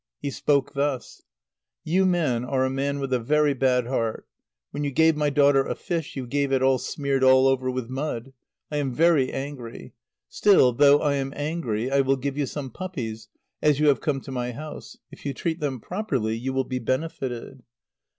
He spoke thus: "You man are a man with a very bad heart. When you gave my daughter a fish, you gave it smeared all over with mud. I am very angry. Still, though I am angry, I will give you some puppies, as you have come to my house. If you treat them properly, you will be benefited."